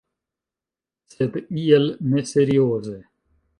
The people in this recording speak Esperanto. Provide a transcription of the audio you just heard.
Sed iel neserioze.